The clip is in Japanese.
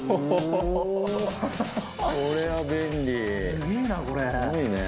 すげえなこれ。